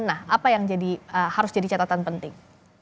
nah apa yang harus jadi catatan penting